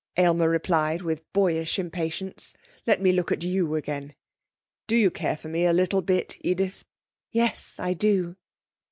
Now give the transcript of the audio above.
Aylmer replied, with boyish impatience. 'Let me look at you again. Do you care for me a little bit, Edith?' 'Yes; I do.'